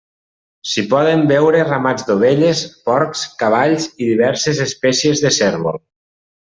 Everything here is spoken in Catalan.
S'hi poden veure ramats d'ovelles, porcs, cavalls i diverses espècies de cérvol.